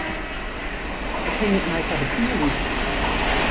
It hinget my ta de kiel út.